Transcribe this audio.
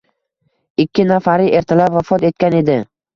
Ikki nafari ertalab vafot etgan edi